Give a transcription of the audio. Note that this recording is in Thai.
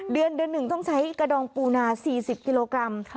เดือน๑ต้องใช้กระดองปูนา๔๐กิโลกรัม